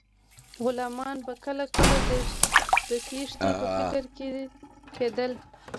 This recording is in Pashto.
غلامان به کله کله د تیښتې په فکر کې کیدل.